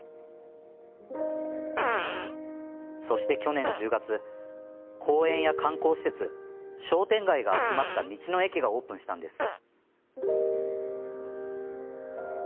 そして、去年１０月公園や観光施設商店街が集まった道の駅がオープンしたんです。